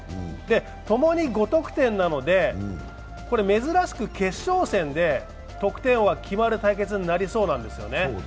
ともに５得点なので珍しく決勝戦で得点王が決まる対決になりそうなんですよね。